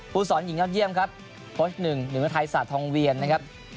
ผู้สอนหญิงยอดเยี่ยมครับโพสต์หนึ่งหนึ่งเมืองไทยศาสตร์ทองเวียนนะครับ